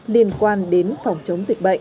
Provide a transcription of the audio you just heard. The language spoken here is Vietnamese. liên quan đến phòng chống dịch bệnh